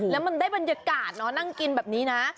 แล้วมันได้บรรยากาศเนาะนั่งกินแบบนี้นะ